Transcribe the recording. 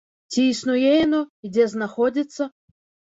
Ці існуе яно і дзе знаходзіцца?